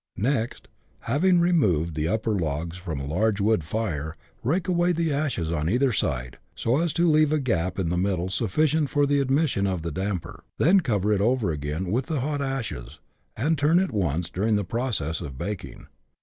Next, having removed the upper logs from a large wood fire, rake away the ashes on either side, so as to leave a gap in the middle sufiicient for the admission of the damper : then cover it over again with the hot ashes, and turn it once during the process of baking.